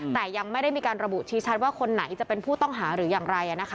แต่ยังไม่ได้มีการระบุชี้ชัดว่าคนไหนจะเป็นผู้ต้องหาหรืออย่างไร